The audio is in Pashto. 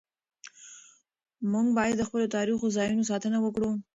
موږ باید د خپلو تاریخي ځایونو ساتنه وکړو.